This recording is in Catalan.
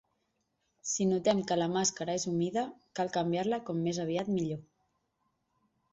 Si notem que la màscara és humida, cal canviar-la com més aviat millor.